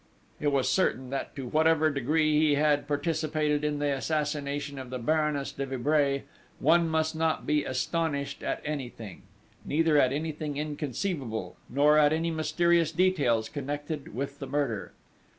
It was certain that to whatever degree he had participated in the assassination of the Baroness de Vibray, one must not be astonished at anything; neither at anything inconceivable, nor at any mysterious details connected with the murder.